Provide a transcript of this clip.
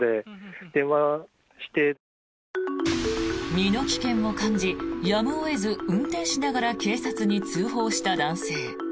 身の危険を感じやむを得ず、運転しながら警察に通報した男性。